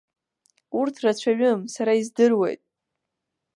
Урҭ рацәаҩым, сара издыруеит.